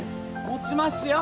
持ちますよ。